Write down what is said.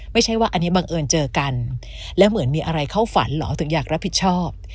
ไม่ใช่ว่าอันนี้บังเอิญเจอกันแล้วเหมือนมีอะไรเข้าฝันเหรอถึงอยากรับผิดชอบ